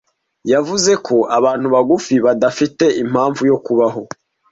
yavuze ko abantu bagufi badafite Impamvu yo Kubaho